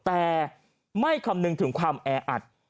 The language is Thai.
แต่ไม่คำนึงถึงความแออัด